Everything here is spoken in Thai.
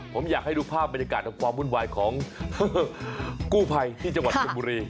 ผมอยากให้ดูภาพบรรยากาศของความวุ่นวายของกู้ภัยที่จังหวัดชนบุรี